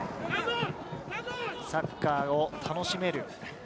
サッカーを楽しめる。